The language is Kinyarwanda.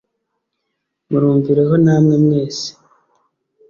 murumvireho namwe mwese